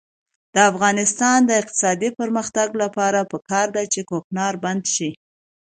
د افغانستان د اقتصادي پرمختګ لپاره پکار ده چې کوکنار بند شي.